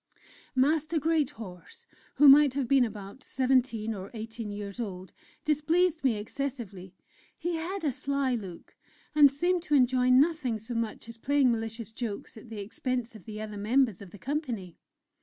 Master Greathorse, who might have been about seventeen or eighteen years old, displeased me excessively; he had a sly look, and seemed to enjoy nothing so much as playing malicious jokes at the expense of the other members of the company.